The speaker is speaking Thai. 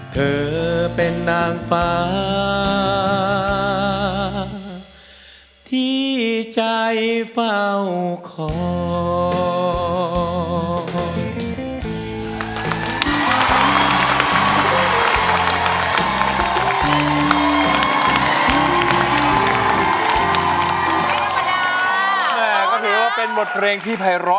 เธอเป็นนางฟ้า